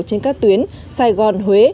trên các tuyến sài gòn huế